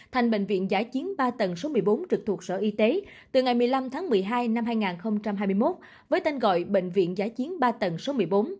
thành bệnh viện giã chiến ba tầng số một mươi bốn trực thuộc sở y tế từ ngày một mươi năm tháng một mươi hai năm hai nghìn hai mươi một với tên gọi bệnh viện giã chiến ba tầng số một mươi bốn